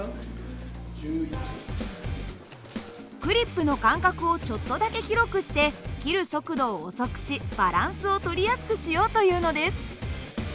クリップの間隔をちょっとだけ広くして切る速度を遅くしバランスを取りやすくしようというのです。